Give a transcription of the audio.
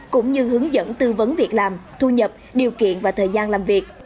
cũng như hướng dẫn tư vấn việc làm thu nhập điều kiện và thời gian làm việc